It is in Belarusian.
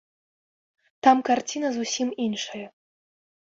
Там карціна зусім іншая.